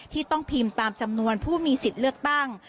ที่ต้องพิมพ์ตามจำนวนผู้มีสิทธิ์เลือกตั้ง